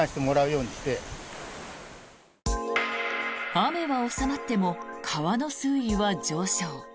雨は収まっても川の水位は上昇。